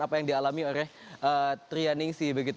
apa yang dialami oleh trianing si